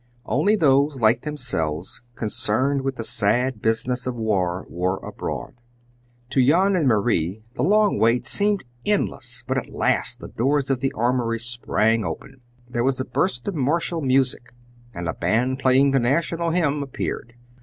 Only those, like themselves, concerned with the sad business of war were abroad. To Jan and Marie the long wait seemed endless, but at last the doors of the armory sprang open; there was a burst of martial music, and a band playing the national hymn appeared.